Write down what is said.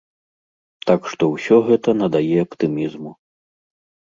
Так што ўсё гэта надае аптымізму.